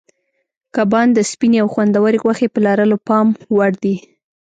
کبان د سپینې او خوندورې غوښې په لرلو پام وړ دي.